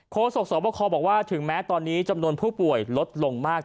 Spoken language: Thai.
โศกสวบคบอกว่าถึงแม้ตอนนี้จำนวนผู้ป่วยลดลงมาก